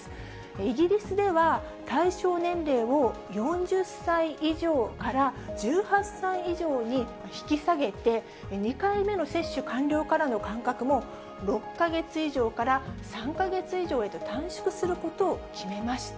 イギリスでは、対象年齢を４０歳以上から１８歳以上に引き下げて、２回目の接種完了からの間隔も６か月以上から３か月以上へと短縮することを決めました。